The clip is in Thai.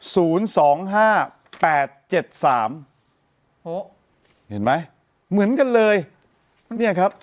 ศูนย์สองห้าแปดเจ็ดสามโอ้เห็นไหมเหมือนกันเลยเนี่ยครับ